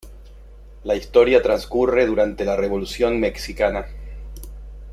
La historia transcurre durante la revolución mexicana.